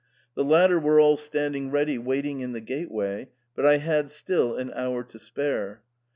The latter were all standing ready wait ing in the gateway, but I had still an hour to spare.